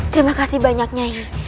terima kasih banyak nyai